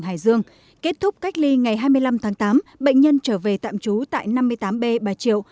hải dương kết thúc cách ly ngày hai mươi năm tháng tám bệnh nhân trở về tạm trú tại năm mươi tám b bà triệu